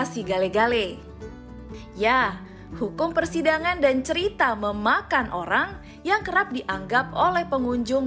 sigale gale ya hukum persidangan dan cerita memakan orang yang kerap dianggap oleh pengunjung